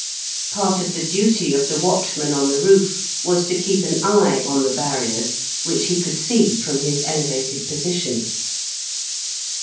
Part of the duty of the watchman on the roof was to keep an eye on the barriers, which he could see from his elevated position.